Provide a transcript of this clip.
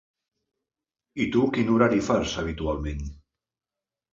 I tu, quin horari fas habitualment?